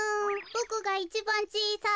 ボクがいちばんちいさい。